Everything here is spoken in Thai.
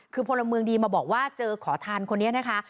คือพลเมืองดีมาบอกว่าเจอขอทานคนนี้นะคะ